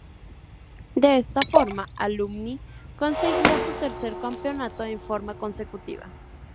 De esta forma Alumni conseguía su tercer campeonato en forma consecutiva.